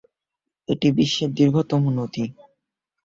এটি বিশ্বের দীর্ঘতম নদী।